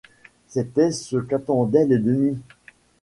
C’était ce qu’attendait l’ennemi.